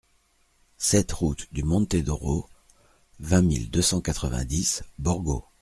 sept route du Monte d'Oro, vingt mille deux cent quatre-vingt-dix Borgo